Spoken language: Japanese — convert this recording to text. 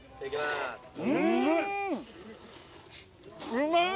うまい！